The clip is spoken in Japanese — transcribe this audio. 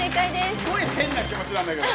すごい変な気持ちなんですけど。